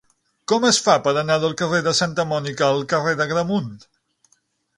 Com es fa per anar del carrer de Santa Mònica al carrer d'Agramunt?